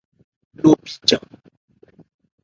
Lo bíjan.